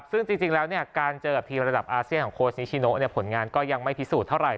ซึ่งจริงแล้วการเจอกับทีมระดับอาเซียนของโค้ชนิชิโนผลงานก็ยังไม่พิสูจนเท่าไห